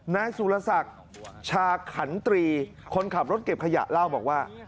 นายสุรศักดิ์ชาขันตรีคนขับรถเก็บขยะเล่าบอกว่า